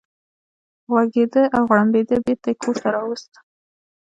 غوږېده او غړمبېده، بېرته یې کور ته راوست.